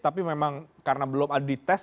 tapi memang karena belum ada di tes